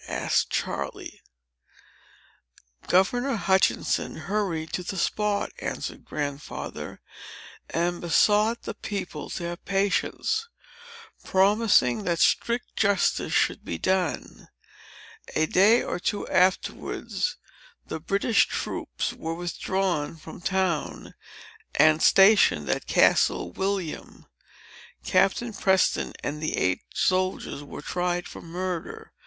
asked Charley. "Governor Hutchinson hurried to the spot," said Grandfather, "and besought the people to have patience, promising that strict justice should be done. A day or two afterward, the British troops were withdrawn from town, and stationed at Castle William. Captain Preston and the eight soldiers were tried for murder.